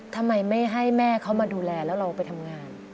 ทำไมไม่ให้แม่เขามาดูแลแล้วเราไปทำงาน